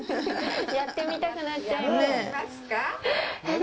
やってみたくなっちゃいました。